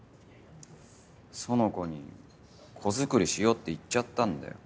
苑子に子づくりしようって言っちゃったんだよ。